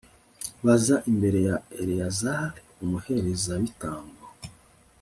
baza imbere ya eleyazari, umuherezabitambo